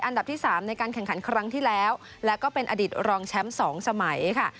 อันดับที่๓ในการแข่งขันครั้งที่แล้วแล้วก็เป็นอดีตรองแชมป์๒สมัยค่ะ